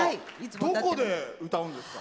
どこで歌うんですか？